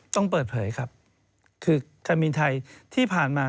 ต้องเปิดเผยครับคือการบินไทยที่ผ่านมา